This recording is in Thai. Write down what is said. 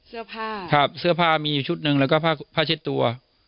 เสื้อผ้าครับเสื้อผ้ามีอยู่ชุดหนึ่งแล้วก็ผ้าผ้าเช็ดตัว